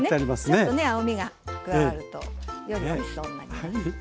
ちょっとね青みが加わるとよりおいしそうになります。